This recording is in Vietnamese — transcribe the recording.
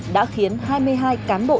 đã khiến hai mươi hai cán bộ